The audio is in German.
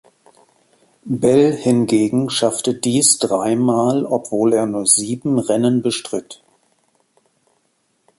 Bell hingegen schaffte dies dreimal obwohl er nur sieben Rennen bestritt.